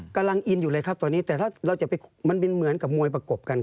กำลังอินอยู่เลยครับตอนนี้แต่ถ้าเราจะไปมันเป็นเหมือนกับมวยประกบกัน